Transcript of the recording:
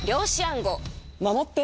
守って。